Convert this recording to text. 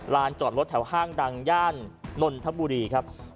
จอดรถแถวห้างดังย่านนทบุรีครับ